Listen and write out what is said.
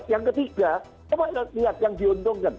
yang ketiga coba lihat yang diuntungkan